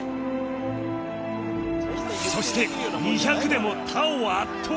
そして２００でも他を圧倒